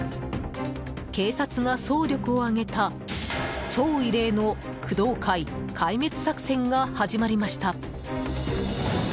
警察が、総力を挙げた超異例の工藤会壊滅作戦が始まりました。